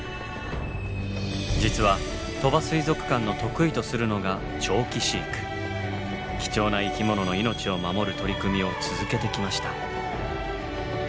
実は鳥羽水族館の得意とするのが貴重な生き物の命を守る取り組みを続けてきました。